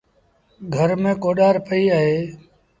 گھر ميݩ ڪوڏآر پئيٚ اهي۔